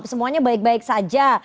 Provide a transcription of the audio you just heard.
semuanya baik baik saja